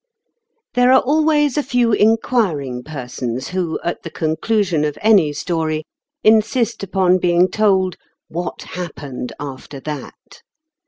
THERE are always a few inquiring persons who, at the conclusion of any story, insist upon being told " what happened after that."